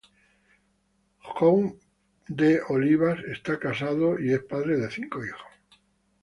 John D. Olivas está casado y es padre de cinco hijos.